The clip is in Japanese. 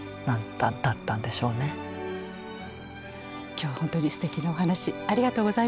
今日は本当にすてきなお話ありがとうございました。